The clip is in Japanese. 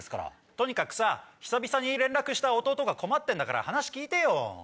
とにかくさ久々に連絡した弟が困ってるんだから話聞いてよ。